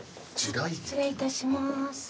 失礼いたします。